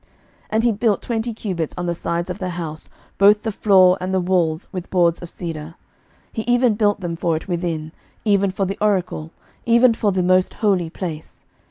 11:006:016 And he built twenty cubits on the sides of the house, both the floor and the walls with boards of cedar: he even built them for it within, even for the oracle, even for the most holy place.